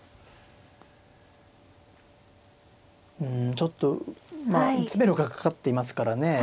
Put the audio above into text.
うんちょっとまあ詰めろがかかっていますからね。